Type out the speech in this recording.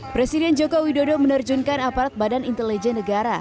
presiden joko widodo menerjunkan aparat badan intelijen negara